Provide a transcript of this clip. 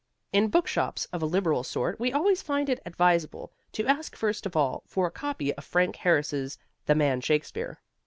In bookshops of a liberal sort we always find it advisable to ask first of all for a copy of Frank Harris's "The Man Shakespeare."